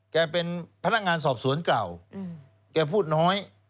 แกเป็นพนักงานสอบสวนเก่าแกพูดน้อย